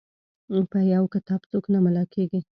په یو کتاب څوک نه ملا کیږي.